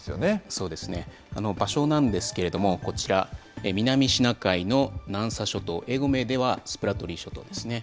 そうですね、場所なんですけれども、こちら、南シナ海の南沙諸島、英語名ではスプラトリー諸島ですね。